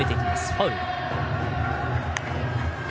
ファウル。